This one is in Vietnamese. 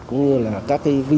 cũng như là các cái viên